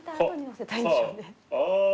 あ。